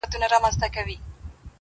نه په غم کي د مېږیانو د غمونو-